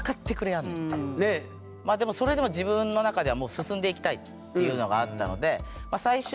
まあでもそれでも自分の中では進んでいきたいっていうのがあったので最終